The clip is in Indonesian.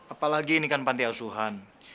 apalagi ini kan panti asuhan